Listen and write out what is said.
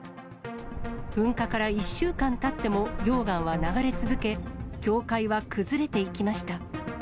噴火から１週間たっても、溶岩は流れ続け、教会は崩れていきました。